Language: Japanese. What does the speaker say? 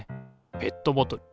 ペットボトル。